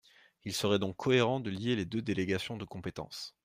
Il serait donc cohérent de lier les deux délégations de compétences.